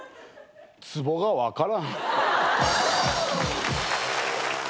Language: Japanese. ツボが分からん。